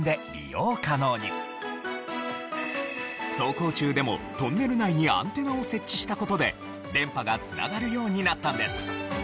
走行中でもトンネル内にアンテナを設置した事で電波が繋がるようになったんです。